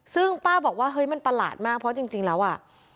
ซึ่งป้าบอกว่าเฮ้ยมันประหลาดมากเพราะจริงแล้วอ่ะ